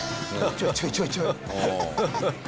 ちょいちょいちょいちょい。